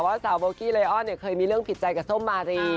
ว่าสาวโบกี้เลออนเนี่ยเคยมีเรื่องผิดใจกับส้มมารี